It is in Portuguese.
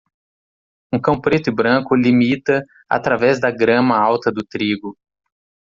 Um cão preto e branco limita através da grama alta do trigo.